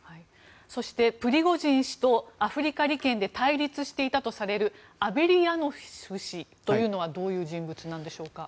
そして、プリゴジン氏とアフリカ利権で対立していたとされるアベリヤノフ氏というのはどういう人物なんでしょうか。